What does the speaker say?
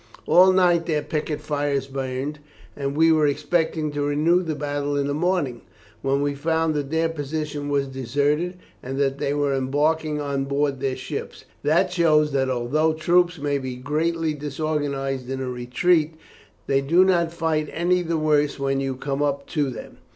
All night their picket fires burned, and we were expecting to renew the battle in the morning, when we found that their position was deserted, and that they were embarking on board their ships. That shows that although troops may be greatly disorganized in a retreat they do not fight any the worse when you come up to them.